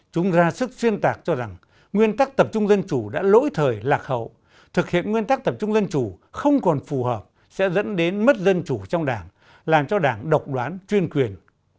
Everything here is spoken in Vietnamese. chúng ra sức xuyên tạc cho rằng nguyên tắc tập trung dân chủ đã lỗi thời lạc hậu thực hiện nguyên tắc tập trung dân chủ không còn phù hợp sẽ dẫn đến mất dân chủ trong đảng làm cho đảng độc đoán chuyên quyền